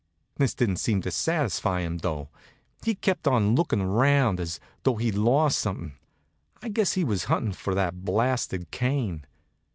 This didn't seem to satisfy him, though. He kept on lookin' around, as though he'd lost something. I guessed he was hunting for that blasted cane.